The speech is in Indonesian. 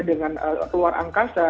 dengan luar angkasa